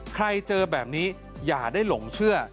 เจอแบบนี้อย่าได้หลงเชื่อ